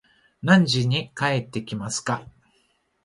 何時に帰ってきますか